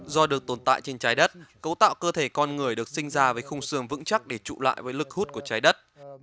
do được tồn tại trên trái đất cấu tạo cơ thể con người được sinh ra với khung xương vững chắc để trụ lại với lực hút của trái đất